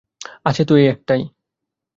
আছে তো এই একটাই।